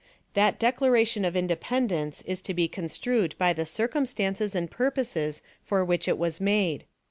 That Declaration of Independence is to be construed by the circumstances and purposes for which it was made.